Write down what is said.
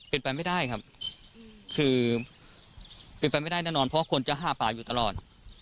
เป็นไปไม่ได้ครับคือเป็นไปไม่ได้แน่นอนเพราะคนจะห้าป่าอยู่ตลอด